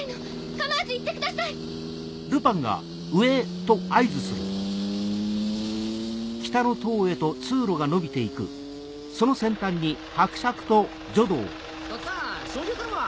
構わず行ってください！とっつぁん操縦頼むわ。